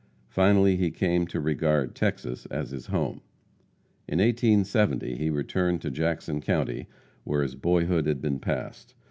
Finally he came to regard Texas as his home. In 1870 he returned to Jackson county, where his boyhood had been passed.